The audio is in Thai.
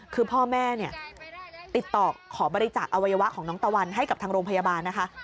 คือพ่อแม่เนี่ยติดต่อขอบริจาคอวัยวะของน้องตะวันให้กับทางโรงพยาบาลนะคะ